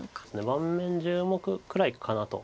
盤面１０目くらいかなと。